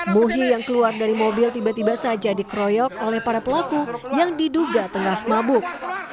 muhi yang keluar dari mobil tiba tiba saja dikeroyok oleh para pelaku yang diduga tengah mabuk